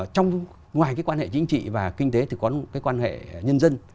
trong ngoài quan hệ chính trị và kinh tế thì có quan hệ nhân dân